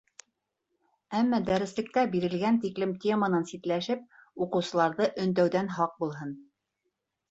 Әммә дәреслектә бирелгән тиклем теманан ситләшеп, уҡыусыларҙы өндәүҙән һаҡ булһын.